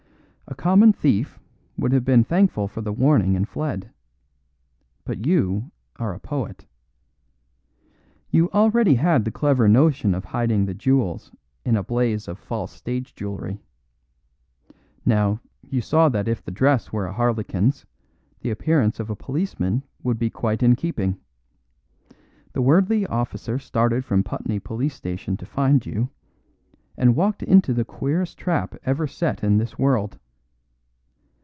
A common thief would have been thankful for the warning and fled; but you are a poet. You already had the clever notion of hiding the jewels in a blaze of false stage jewellery. Now, you saw that if the dress were a harlequin's the appearance of a policeman would be quite in keeping. The worthy officer started from Putney police station to find you, and walked into the queerest trap ever set in this world.